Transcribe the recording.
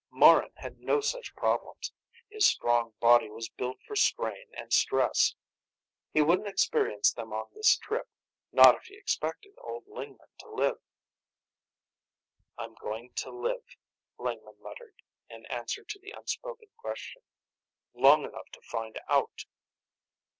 Morran had no such problems. His strong body was built for strain and stress. He wouldn't experience them on this trip, not if he expected old Lingman to live. "I'm going to live," Lingman muttered, in answer to the unspoken question. "Long enough to find out."